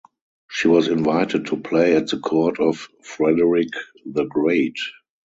She was invited to play at the court of Frederick the Great.